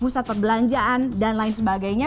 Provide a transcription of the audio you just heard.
pusat perbelanjaan dan lain sebagainya